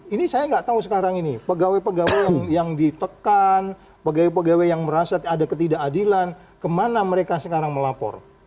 ini saya nggak tahu sekarang ini pegawai pegawai yang ditekan pegawai pegawai yang merasa ada ketidakadilan kemana mereka sekarang melapor